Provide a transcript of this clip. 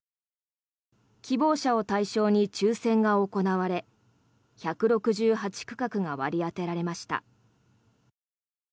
希望者を対象に抽選が行われ１６８区画が割り当てられました。